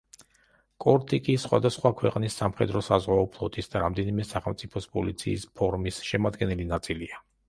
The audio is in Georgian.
კორტიკი სხვადასხვა ქვეყნის სამხედრო-საზღვაო ფლოტის და რამდენიმე სახელმწიფოს პოლიციის ფორმის შემადგენელი ნაწილია.